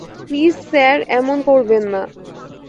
Please, sir, এমন করবেন না।